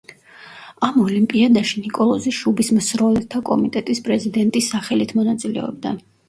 ამ ოლიმპიადაში ნიკოლოზი შუბისმსროლელთა კომიტეტის პრეზიდენტის სახელით მონაწილეობდა.